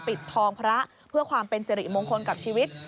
ปิดทองพระเพื่อความเป็นสิริมงคลกับชีวิต